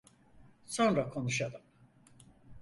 Sonra konuşalım.